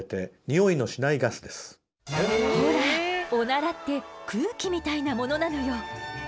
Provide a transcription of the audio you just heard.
オナラって空気みたいなものなのよ。